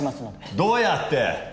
どうやって？